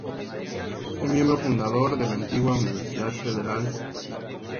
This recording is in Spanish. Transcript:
Aberystwyth fue miembro fundador de la antigua universidad federal de Gales.